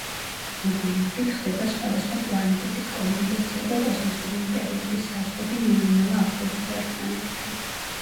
მოგვიანებით, ხდება სხვადასხვა პლანეტების კოლონიზაცია და კოსმოსური იმპერიების საზღვრები ნელ-ნელა ახლოვდება ერთმანეთან.